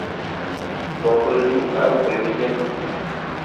Mombyrynunga upégui ñemuha.